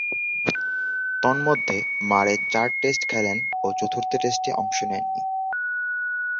তন্মধ্যে, মারে চার টেস্ট খেলেন ও চতুর্থ টেস্টে অংশ নেননি।